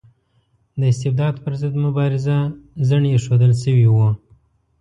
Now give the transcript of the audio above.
د استبداد پر ضد مبارزه زڼي ایښودل شوي وو.